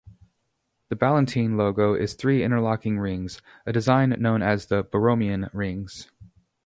The Ballantine logo is three interlocking rings, a design known as the Borromean rings.